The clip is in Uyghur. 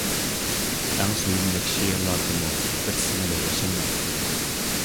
ئەڭ سۆيۈملۈك شېئىرلاردىمۇ، بىر سىنىلا ياشايمەن كۈيلەپ.